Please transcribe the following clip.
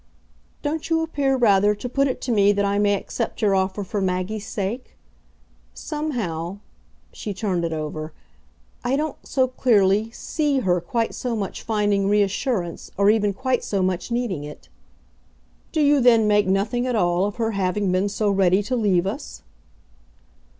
"Don't you appear rather to put it to me that I may accept your offer for Maggie's sake? Somehow" she turned it over "I don't so clearly SEE her quite so much finding reassurance, or even quite so much needing it." "Do you then make nothing at all of her having been so ready to leave us?"